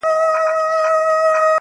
له لمبو يې تر آسمانه تلل دودونه٫